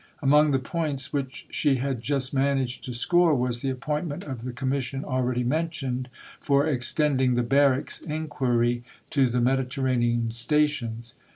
Among the points which she had just managed to score was the appointment of the Commission already mentioned, for extending the Barracks Inquiry to the Mediterranean stations.